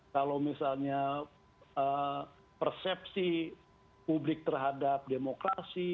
kalau misalnya persepsi publik terhadap demokrasi